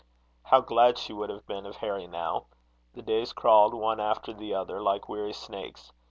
How glad she would have been of Harry now! The days crawled one after the other like weary snakes.